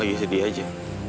oh iya sedih aja